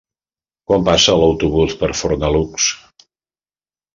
Quan passa l'autobús per Fornalutx?